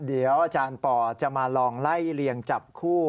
เดี๋ยวอาจารย์ปอจะมาลองไล่เลียงจับคู่